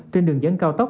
trên đường dẫn cao tốc